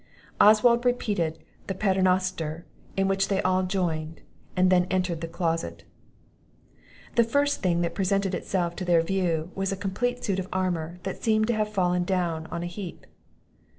Oswald repeated the paternoster, in which they all joined, and then entered the closet. The first thing that presented itself to their view, was a complete suit of armour, that seemed to have fallen down on an heap.